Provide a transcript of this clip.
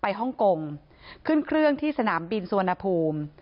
ไปฮ่องกงขึ้นเครื่องที่สนามบินสวนภูมิไปฮ่องกงขึ้นเครื่องที่สนามบินสวนภูมิ